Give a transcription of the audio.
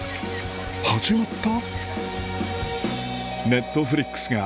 始まった？